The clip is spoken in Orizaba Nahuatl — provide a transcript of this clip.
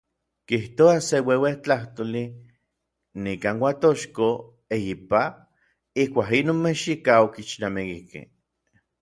Kijtoa se ueuetlajtoli nikan Uatochko eyipa, ijkuak inon mexikaj okixnamikikej.